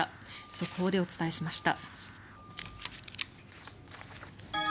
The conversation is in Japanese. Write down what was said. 速報でお伝えしました。